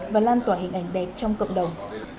và lan tỏa hình ảnh đẹp trong cộng đồng